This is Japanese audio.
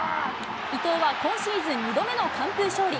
伊藤は今シーズン２度目の完封勝利。